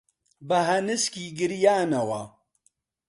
بە هەنسکی گریانەوە